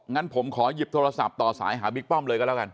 งั้นผมขอหยิบโทรศัพท์ต่อสายหาบิ๊กป้อมเลยก็แล้วกัน